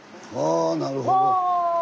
あなるほど。